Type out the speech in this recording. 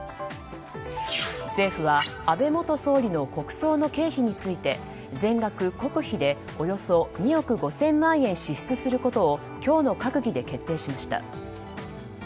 政府は安倍元総理の国葬の経費について全額国費でおよそ２億５０００万円支出することを今日の閣議で決定しました。